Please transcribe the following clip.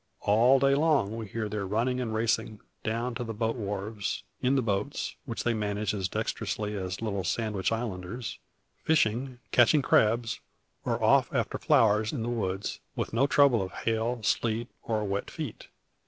All day long we hear their running and racing, down to the boat wharves; in the boats, which they manage as dexterously as little Sandwich Islanders; fishing; catching crabs, or off after flowers in the woods, with no trouble of hail, sleet, or wet feet.